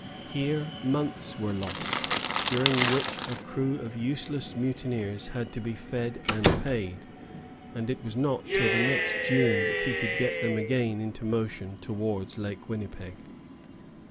Here months were lost, during which a crew of useless mutineers had to be fed and paid; and it was not till the next June that he could get them again into motion towards Lake Winnipeg.